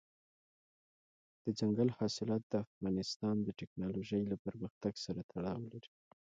دځنګل حاصلات د افغانستان د تکنالوژۍ له پرمختګ سره تړاو لري.